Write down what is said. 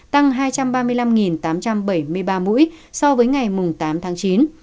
tăng hai trăm ba mươi năm tám trăm bảy mươi ba mũi so với ngày tám tháng chín